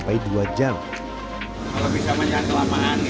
kalau bisa mah jangan kelamaan